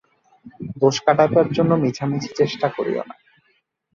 দোষ কাটাইবার জন্য মিছামিছি চেষ্টা করিও না!